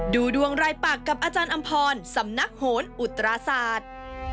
ดูดวงรายปากกับอาจารย์อำพรสำนักโหนอุตราศาสตร์